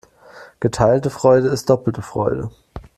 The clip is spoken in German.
Geteilte Freude ist doppelte Freude.